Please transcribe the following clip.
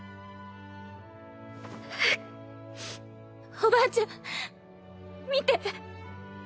おばあちゃん見て。